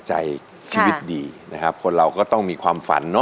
จากเดินตามฝัน